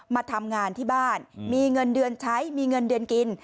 มาทำงานที่บ้านมีเงินเดือนใช้มีเงินเดือนกิน